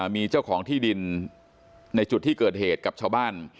มีเจ้าของที่ดินในจุดที่เกิดเหตุกับชาวบ้าน